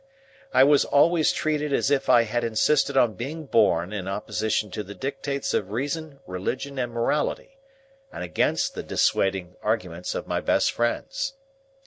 I was always treated as if I had insisted on being born in opposition to the dictates of reason, religion, and morality, and against the dissuading arguments of my best friends.